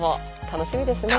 楽しみですねえ！